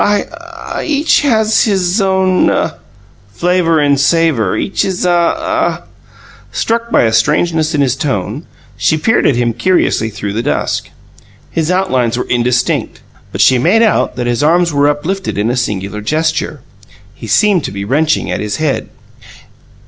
"I ah each has his own ugh! flavour and savour, each his ah ah " Struck by a strangeness in his tone, she peered at him curiously through the dusk. His outlines were indistinct, but she made out that his arms were, uplifted in a singular gesture. He seemed to be wrenching at his head.